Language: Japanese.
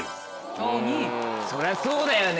そりゃそうだよね